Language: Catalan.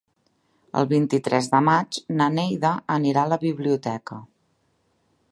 El vint-i-tres de maig na Neida anirà a la biblioteca.